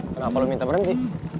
kenapa lo minta berhenti